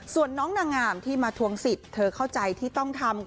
ส่วนน้องนางงามที่มาทวงสิทธิ์เธอเข้าใจที่ต้องทำ